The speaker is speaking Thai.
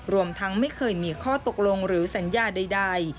รวมทั้งไม่เคยมีข้อตกลงหรือสัญญาใด